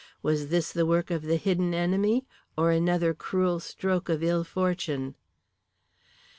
Was this the work of the hidden enemy or another cruel stroke of ill fortune?